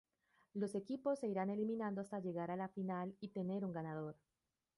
Los equipos se irán eliminando hasta llegar a la final y tener un ganador.